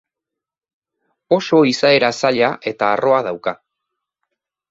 Oso izaera zaila eta harroa dauka.